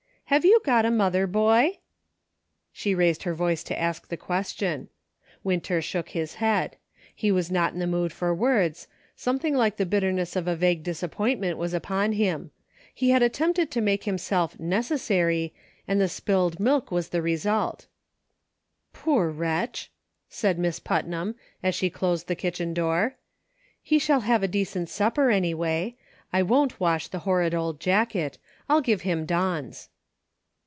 Have you got a mother, boy ?" She raised her voice to ask the question. Win ter shook his head. He was not in the mood for words ; something like the bitterness of a vague disappointment was upon him ; he had attempted to make himself " necessary," and the spilled milk was the result. " Poor wretch !" said Miss Putnam, as she closed the kitchen door, " he shall have a decent supper, anyway ; and I won't wash the horrid old jacket ; I'll give him Don's."